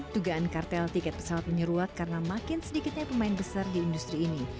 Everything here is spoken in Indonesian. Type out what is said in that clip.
dugaan kartel tiket pesawat menyeruak karena makin sedikitnya pemain besar di industri ini